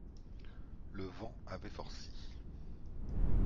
Le vent avait forci.